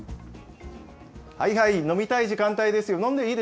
はいはい、飲みたい時間帯ですよ。